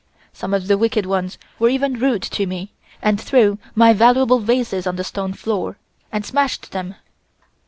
Some of the wicked ones were even rude to me, and threw my valuable vases on the stone floor, and smashed them.